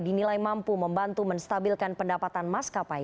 dinilai mampu membantu menstabilkan pendapatan maskapai